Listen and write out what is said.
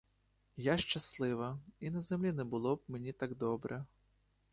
Я щаслива, і на землі не було б мені так добре.